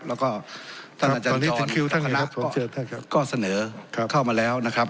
แล้วก็ท่านอาจารย์จรภนักก็เสนอเข้ามาแล้วนะครับ